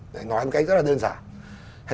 nói một cách rất là đơn giản